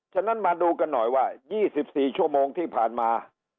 ฉะนั้นมาดูกันหน่อยว่า๒๔ชั่วโมงที่ผ่านมา